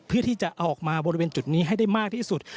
เพื่อที่จะเอาออกมาบริเวณจุดนี้ให้ได้มากที่สุด